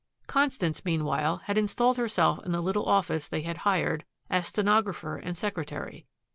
Constance, meanwhile, had installed herself in the little office they had hired, as stenographer and secretary.